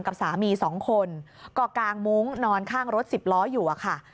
กับสามี๒คนก็กางมุ้งนอนข้างรถสิบล้ออยู่อะค่ะ